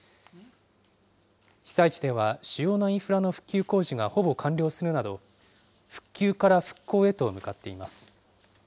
被災地では主要なインフラの復旧工事がほぼ完了するなど、復旧から復興へと向かっています。